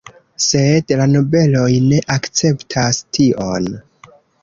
Sed la nobeloj ne akceptas tion.